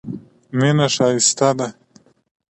مینه ښایسته ده.